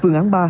phương án ba